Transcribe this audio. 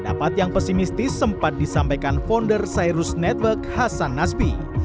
pendapat yang pesimistis sempat disampaikan founder cyrus network hasan nasbi